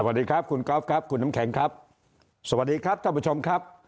สวัสดีครับคุณก๊อฟครับคุณน้ำแข็งครับสวัสดีครับท่านผู้ชมครับ